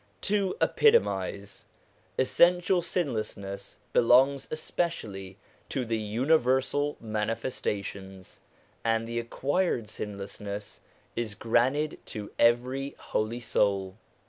To epitomise : essential sinlessness belongs especially to the universal Manifestations, and the acquired sin lessness is granted to every holy soul.